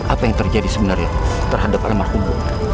apa yang terjadi sebenarnya terhadap almarhum